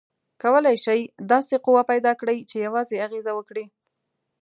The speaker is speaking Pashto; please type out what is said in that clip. کولی شئ داسې قوه پیداکړئ چې یوازې اغیزه وکړي؟